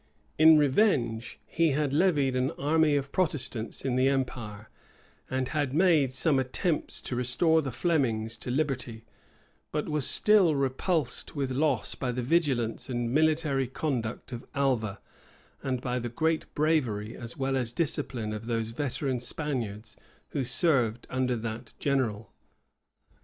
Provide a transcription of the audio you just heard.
In revenge, he had levied an army of Protestants in the empire, and had made some attempts to restore the Flemings to liberty; but was still repulsed with loss by the vigilance and military conduct of Alva, and by the great bravery as well as discipline of those veteran Spaniards who served under that general.